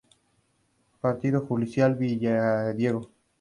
Partido judicial de Villadiego.